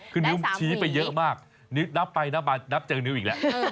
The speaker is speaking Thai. คือนิ้วชี้ไปเยอะมากนิ้วนับไปนับมานับเจอนิ้วอีกแล้ว